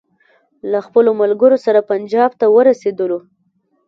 له خپلو ملګرو سره پنجاب ته ورسېدلو.